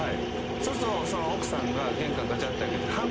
そうすると奥さんが玄関ガチャって開けてはんこ